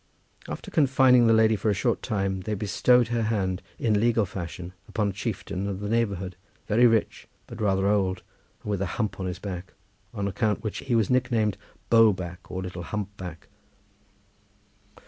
After confining the lady for a short time they bestowed her hand in legal fashion upon a chieftain of the neighbourhood, very rich but rather old, and with a hump on his back, on which account he was nick named bow back or little hump back.